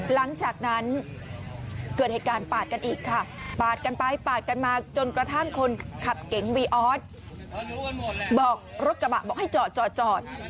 หลังจากนั้นเกิดเหตุการณ์ปาดกันอีกค่ะปาดกันไปปาดกันมาจนกระทั่งคนขับเก๋งวีออสบอกรถกระบะบอกให้จอดจอด